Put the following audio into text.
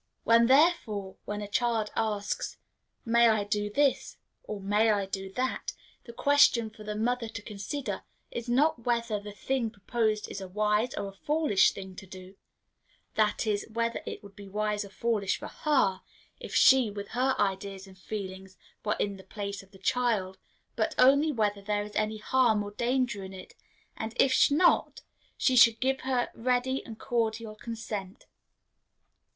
When, therefore, a child asks, "May I do this?" or, "May I do that?" the question for the mother to consider is not whether the thing proposed is a wise or a foolish thing to do that is, whether it would be wise or foolish for her, if she, with her ideas and feelings, were in the place of the child but only whether there is any harm or danger in it; and if not, she should give her ready and cordial consent.